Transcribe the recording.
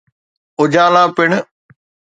اجالا پڻ.